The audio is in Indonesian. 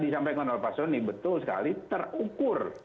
sampai ke manapasoni betul sekali terukur